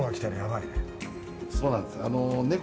そうなんです。